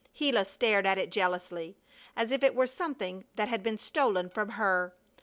Gila stared at it jealously, as if it were something that had been stolen from her.